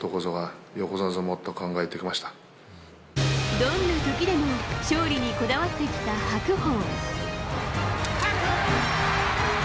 どんな時でも勝利にこだわってきた白鵬。